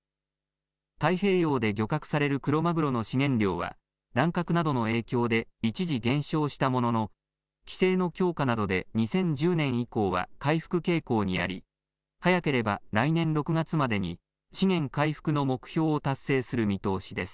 太平洋で漁獲されるクロマグロの資源量は、乱獲などの影響で一時減少したものの、規制の強化などで２０１０年以降は回復傾向にあり、早ければ来年６月までに資源回復の目標を達成する見通しです。